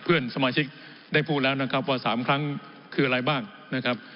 เพื่อนสมาชิกได้พูดแล้วนะครับว่า๓ครั้งคืออะไรบ้างนะครับ